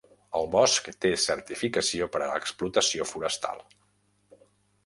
El bosc té certificació per a l'explotació forestal.